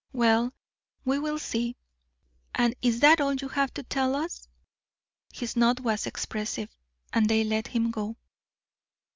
"Well, we will see. And is that all you have to tell us?" His nod was expressive, and they let him go.